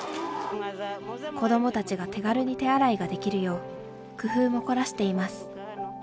子どもたちが手軽に手洗いができるよう工夫も凝らしています。